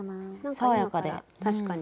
爽やかで確かに。